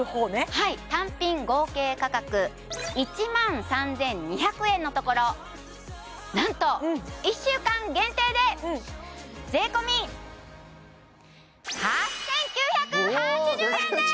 はい単品合計価格１万３２００円のところなんと１週間限定で税込８９８０円でーす！